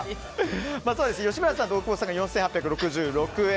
吉村さんと大久保さんが４８６６円。